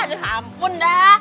aduh hampun dah